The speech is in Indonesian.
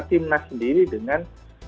timnas sendiri dengan